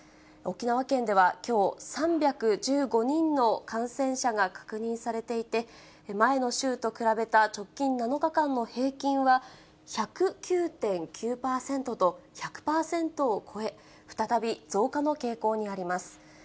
沖縄県ではきょう３１５人の感染者が確認されていて、前の週と比べた直近７日間の平均は１０９．９％と、１００％を超え、再び増加の傾向にあります。